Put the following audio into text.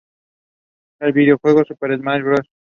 En el videojuego "Super Smash Bros.